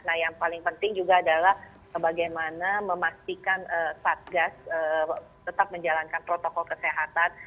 nah yang paling penting juga adalah bagaimana memastikan satgas tetap menjalankan protokol kesehatan